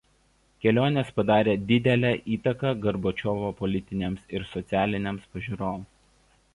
Kelionės padarė didelę įtaką Gorbačiovo politinėms ir socialinėms pažiūroms.